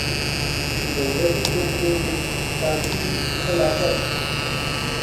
د ورځې په اوږدو کې کافي څښل عادت دی.